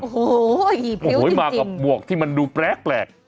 โอ้โฮพิวจริงโห้ยมากับหมวกที่มันดูแปลก